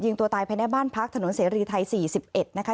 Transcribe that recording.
ตัวตายภายในบ้านพักถนนเสรีไทย๔๑นะคะ